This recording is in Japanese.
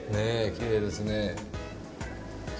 きれいですね。